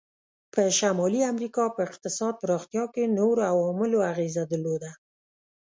په شمالي امریکا په اقتصاد پراختیا کې نورو عواملو اغیزه درلوده.